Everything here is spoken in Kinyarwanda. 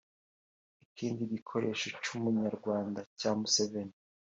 ikindi gikoresho cy’Umunyarwanda cya Museveni